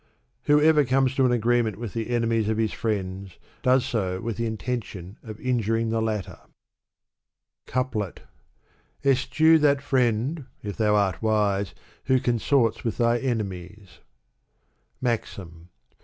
Whoever comes to an agreement with the enemies of his friends, does so with the intention of injuring the latter. Digitized by Google tt 508 Sa'Jt CoupkL Eschew thai friend, if thou art wise. Who consorts with thy eoemies. MAxm.